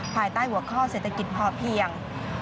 ภายใต้หัวข้อเศรษฐกิจพอเพียง